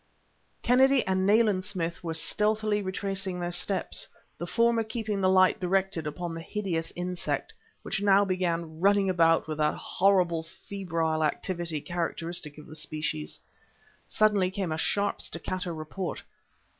Kennedy and Nayland Smith were stealthily retracing their steps, the former keeping the light directed upon the hideous insect, which now began running about with that horrible, febrile activity characteristic of the species. Suddenly came a sharp, staccato report....